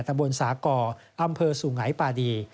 ตำบลสากออำเภอสุงัยปาดี